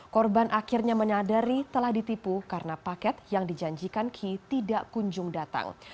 korban akhirnya menyadari telah ditipu karena paket yang dijanjikan key tidak kunjung datang